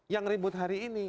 yang ribut hari ini